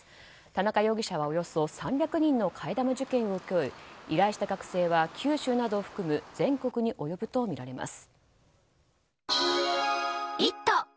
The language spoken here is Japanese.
田中容疑者はおよそ３００人の替え玉受験を請け負い依頼した学生は九州などを含む全国に及ぶとみられます。